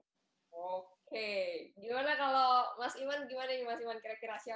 gimana kalau mas iman